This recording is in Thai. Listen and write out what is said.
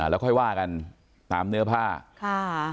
แล้วค่อยว่ากันตามเนื้อผ้าค่ะ